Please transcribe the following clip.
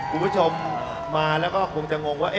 คุณผู้ชมมาแล้วก็คงจะงงว่า